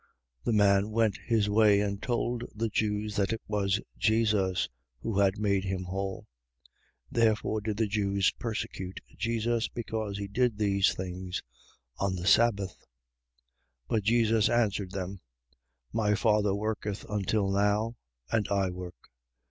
5:15. The man went his way and told the Jews that it was Jesus who had made him whole. 5:16. Therefore did the Jews persecute Jesus, because he did these things on the sabbath. 5:17. But Jesus answered them: My Father worketh until now; and I work.